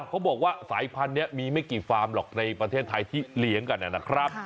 เขาบอกว่าสายพันธุ์นี้มีไม่กี่ฟาร์มหรอกในประเทศไทยที่เลี้ยงกันนะครับ